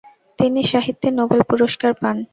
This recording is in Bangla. তিনি সাহিত্যে নোবেল পুরস্কার পান।